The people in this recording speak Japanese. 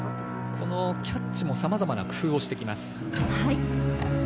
このキャッチもさまざまな工夫をしてきます。